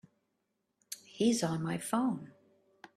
He's on my phone.